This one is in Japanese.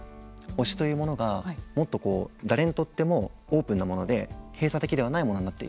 推しというものがもっと誰にとってもオープンなもので閉鎖的なものではないと。